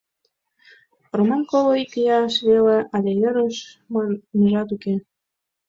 Раман коло ик ияш веле, але ӧрыш манмыжат уке.